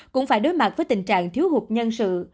cũng phải đối mặt với tình trạng thiếu hụt nhân sự